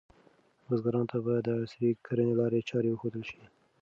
بزګرانو ته باید د عصري کرنې لارې چارې وښودل شي.